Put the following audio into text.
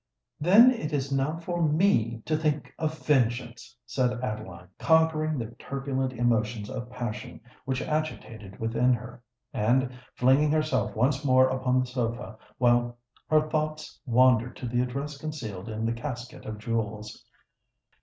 "Then it is now for me to think of vengeance!" said Adeline, conquering the turbulent emotions of passion which agitated within her, and flinging herself once more upon the sofa, while her thoughts wandered to the address concealed in the casket of jewels.